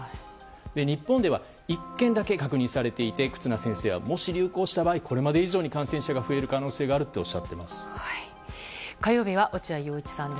日本では１件だけ確認されていて忽那先生はもし流行した場合これまで以上に感染者が増える可能性があると火曜日は落合陽一さんです。